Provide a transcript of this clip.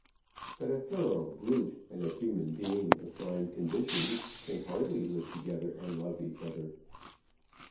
But a thorough brute and a human being of fine conditions can hardly live together and love each other."